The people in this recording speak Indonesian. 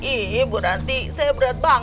iya bu ranti saya berat banget dong